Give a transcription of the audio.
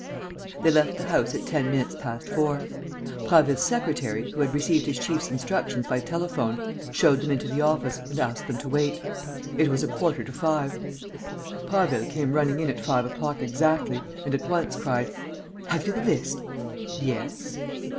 They left the house at ten minutes past four. Prasville's secretary, who had received his chief's instructions by telephone, showed them into the office and asked them to wait. It was a quarter to five. Prasville came running in at five o'clock exactly and, at once, cried: "Have you the list?" "Yes."